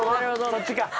そっちか。